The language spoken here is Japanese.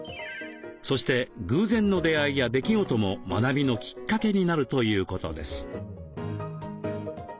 そして偶然の出会いや出来事も学びのきっかけになるということです。